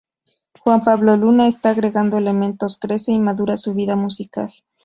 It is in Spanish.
Juan Pablo Luna está agregando elementos, crece y madura su vida musical.